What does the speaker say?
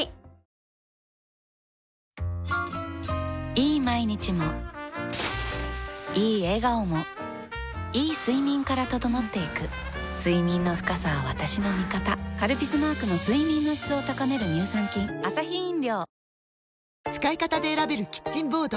いい毎日もいい笑顔もいい睡眠から整っていく睡眠の深さは私の味方「カルピス」マークの睡眠の質を高める乳酸菌使い方で選べるキッチンボード。